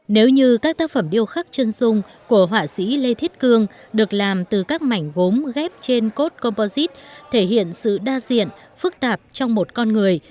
nếu như các tác phẩm điêu khắc chân dung của họa sĩ lê thiết cương được làm từ các mảnh gốm ghép trên cot composite thể hiện sự đa diện phức tạp trong một con người